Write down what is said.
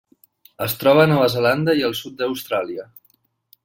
Es troba a Nova Zelanda i el sud d'Austràlia.